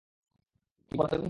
কি বললা তুমি?